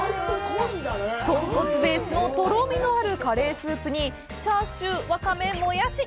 豚骨ベースのとろみあるカレースープにチャーシュー、ワカメ、モヤシ。